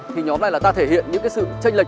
thì nhóm này là ta thể hiện những cái sự tranh lệch